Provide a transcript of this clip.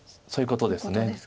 そういうことです。